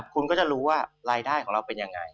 คุณก็จะรู้ว่ารายได้ของเราเป็นยังไง